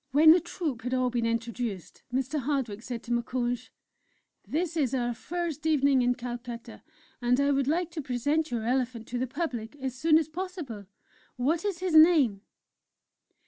When the Troupe had all been introduced, Mr. Hardwick said to Moukounj: "This is our first evening in Calcutta, and I would like to present your elephant to the public as soon as possible; what is his name?"